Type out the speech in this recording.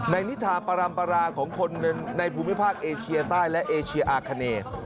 นิทาปรัมปราของคนในภูมิภาคเอเชียใต้และเอเชียอาคาเน